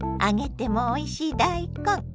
揚げてもおいしい大根。